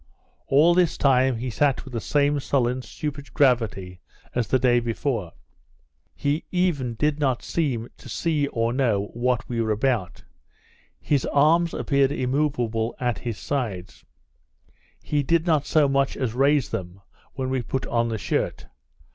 All this time he sat with the same sullen stupid gravity as the day before; he even did not seem to see or know what we were about; his arms appeared immoveable at his sides; he did not so much as raise them when we put on the shirt.